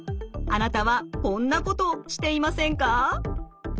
あなたはこんなことしていませんか？